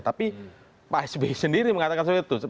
tapi pak sby sendiri mengatakan seperti itu